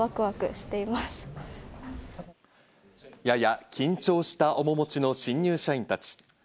やや緊張した面持ちの新入社員たち。